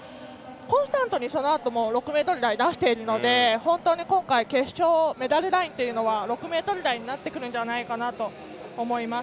コンスタントにそのあとも６ｍ台を出しているので本当に今回決勝、メダルラインは６ｍ台になるのではないかと思います。